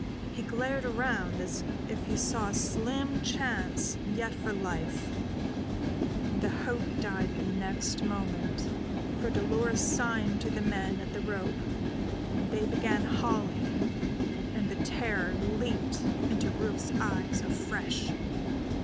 He glared around as if he saw a slim chance yet for life; the hope died the next moment, for Dolores signed to the men at the rope, they began hauling, and the terror leaped into Rufe's eyes afresh.